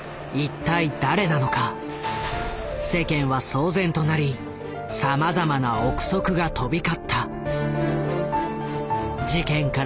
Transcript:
世間は騒然となりさまざまな臆測が飛び交った。